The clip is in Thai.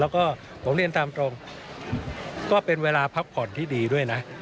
แล้วก็ผมเรียนตามตรงก็เป็นเวลาพักผ่อนที่ดีด้วยนะ